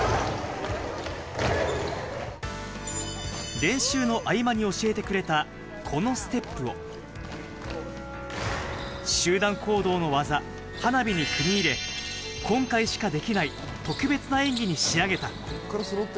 練習の合間に教えてくれた、このステップを集団行動の技、花火に組み入れ、今回しかできない、特別な演技に仕上げた。